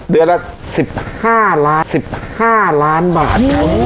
เดือนละสิบห้าร้านสิบห้าร้านบาท